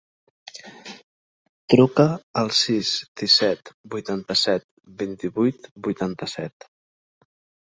Truca al sis, disset, vuitanta-set, vint-i-vuit, vuitanta-set.